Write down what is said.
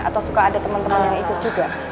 atau suka ada temen temen yang ikut juga